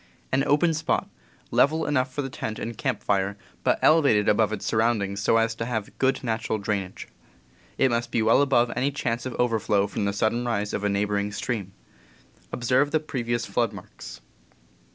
An open spot, level enough for the tent and camp fire, but elevated above its surroundings so as to have good natural drainage. It must be well above any chance of overflow from the sudden rise of a neighbor ing stream. Observe the previous flood marks.